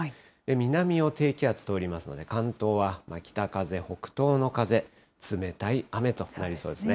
南を低気圧通りますので、関東は北風、北東の風、冷たい雨となりそうですね。